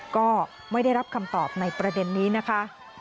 ก็ไม่ได้รับคำตอบในประเด็นนี้นะคะ